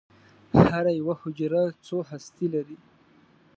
هره یوه حجره څو هستې لري.